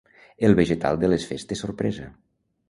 El vegetal de les festes sorpresa.